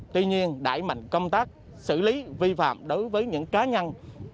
tuy nhiên đẩy mạnh công tác xử lý vi phạm đối với những cá nhân